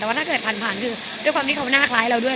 แต่ถ้าเกิดผ่านคือด้วยความที่เค้าหน้าคลายเราด้วย